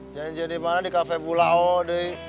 janjian dimana di cafe bulao deh